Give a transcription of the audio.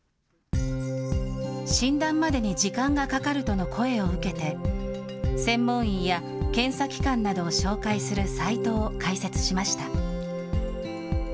診断までに時間がかかるとの声を受けて、専門医や検査機関などを紹介するサイトを開設しました。